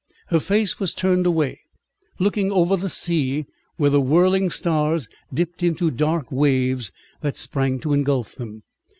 Her face was turned away, looking over the sea where the whirling stars dipped into dark waves that sprang to engulf them.